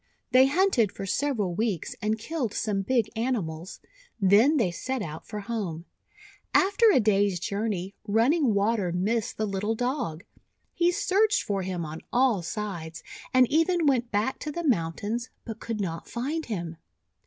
They hunted for several weeks, and killed some big animals, then they set out for home. After POTATO! POTATO! 349 a day's journey, Running Water missed the little Dog. He searched for him on all sides, and even went back to the mountains, but could not find him.